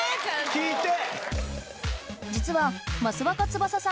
聞いて！